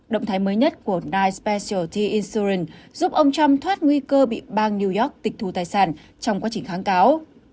động thái mới nhất của knight specialty insurance giúp ông trump thoát nguy cơ bị bang new york tịch thu tài sản trong quá trình kháng cáo